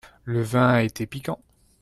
Le vin était piquant.